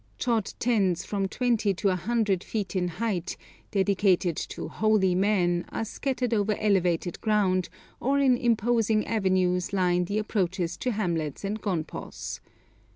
Chod tens from twenty to a hundred feet in height, dedicated to 'holy' men, are scattered over elevated ground, or in imposing avenues line the approaches to hamlets and gonpos.